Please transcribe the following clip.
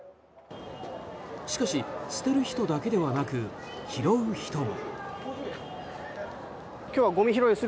しかし、捨てる人だけではなく拾う人も。